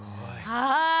はい。